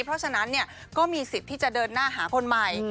เพราะฉะนั้นก็มีสิทธิ์ที่จะเดินหน้าหาคนใหม่